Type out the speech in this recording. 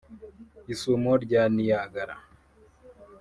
Isumo rya Niagara